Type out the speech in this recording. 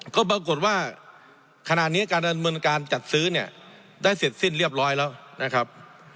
ก็ปรากฏว่าขณะนี้การดำเนินการจัดซื้อเนี่ยได้เสร็จสิ้นเรียบร้อยแล้วนะครับ